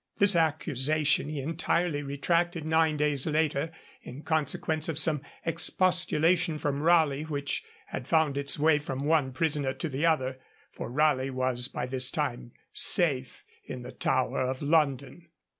This accusation he entirely retracted nine days later, in consequence of some expostulation from Raleigh which had found its way from one prisoner to the other, for Raleigh was by this time safe in the Tower of London.